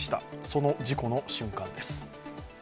その事故の瞬間です。